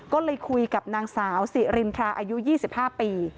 ก็เลยคุยกับนางสาวสิรินทราอายุ๒๕ปี